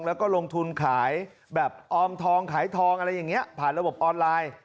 แล้วก็ลงทุนขายแบบออมทองขายทองอะไรอย่างนี้ผ่านระบบออนไลน์